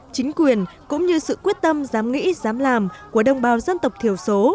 chính quyền cũng như sự quyết tâm dám nghĩ dám làm của đồng bào dân tộc thiểu số